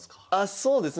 そうですね。